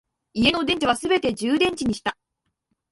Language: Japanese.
家の電池はすべて充電池にした